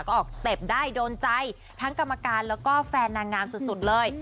ก็ออกสเต็ปได้โดนใจทั้งกรรมการแล้วก็แฟนนางงามสุดเลย